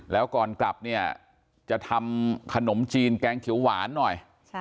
แล้วก่อนกลับเนี่ยจะทำขนมจีนแกงเขียวหวานหน่อย